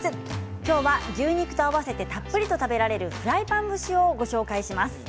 今日は牛肉と合わせてたっぷりと食べられるフライパン蒸しをご紹介します。